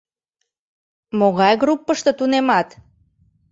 Могай группышто тунемат?